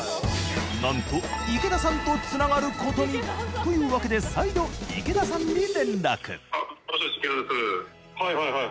なんと池田さんと繋がることにというわけで再度池田さんに連絡☎